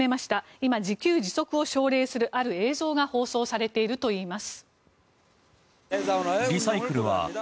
今、自給自足を奨励するある映像が放送されているといいます。